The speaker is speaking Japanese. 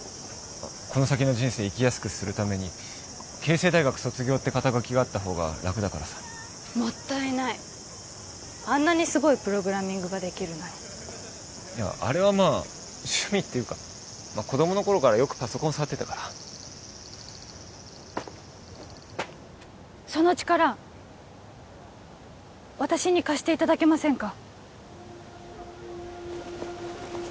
この先の人生生きやすくするために慶成大学卒業って肩書があったほうが楽だからさもったいないあんなにすごいプログラミングができるのにいやあれはまあ趣味っていうか子どもの頃からよくパソコン触ってたからその力私に貸していただけませんか？